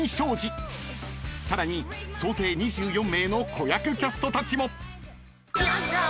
［さらに総勢２４名の子役キャストたちも］